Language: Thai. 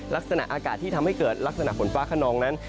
ลักษณะอากาศที่ทำให้เกิดลักษณะฝนฟ้าขนองนั้น